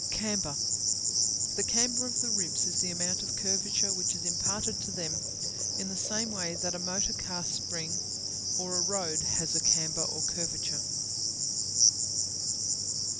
Camber The camber of the ribs is the amount of curvature which is imparted to them in the same way that a motor car spring or a road has a camber or curvature.